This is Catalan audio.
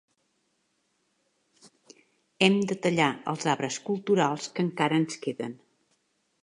Hem de tallar els arbres culturals que encara ens queden.